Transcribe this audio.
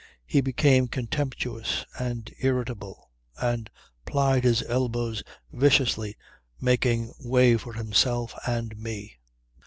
He became contemptuous and irritable and plied his elbows viciously making way for himself and me.